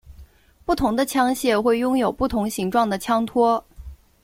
不同的枪械会拥有不同形状的枪托。